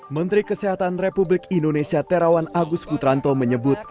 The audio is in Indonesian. menteri kesehatan republik indonesia terawan agus putranto menyebut